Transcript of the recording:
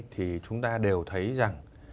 thì chúng ta đều thấy rằng